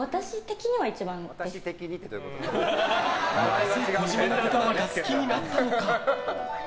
なぜ児嶋のことなんか好きになったのか？